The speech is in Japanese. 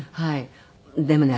でもね